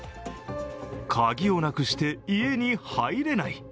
鍵をなくして、家には入れない。